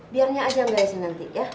biarnya aja gaesan nanti ya